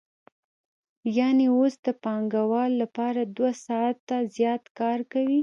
یانې اوس د پانګوال لپاره دوه ساعته زیات کار کوي